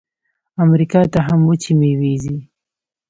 امریکا ته هم وچې میوې ځي.